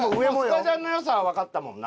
スカジャンの良さはわかったもんな。